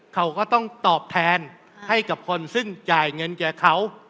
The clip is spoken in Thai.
เขาก็ต้องตอบแทนให้กับคนซึ่งจ่ายเงินแก่เขา